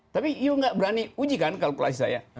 tapi kamu tidak berani ujikan kalkulasi saya